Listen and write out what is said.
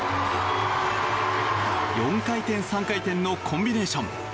４回転、３回転のコンビネーション。